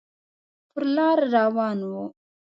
پر لار روان و.